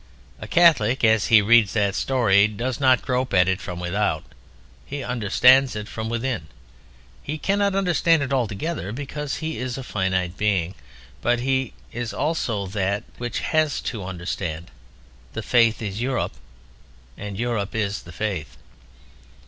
A Catholic as he reads that story does not grope at it from without, he understands it from within. He cannot understand it altogether because he is a finite being; but he is also that which he has to understand. The Faith is Europe and Europe is the Faith.